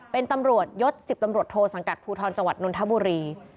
เป็นตำรวจยศ๑๐ตำรวจโทสังกัดภูทรจังหวัดนนทบุรี